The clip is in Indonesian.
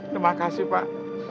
terima kasih pak